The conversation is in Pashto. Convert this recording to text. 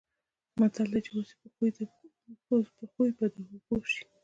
متل دی: چې اوسې په خوی به د هغو شې.